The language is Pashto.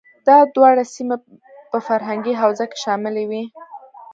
دا دواړه سیمې په فرهنګي حوزه کې شاملې وې.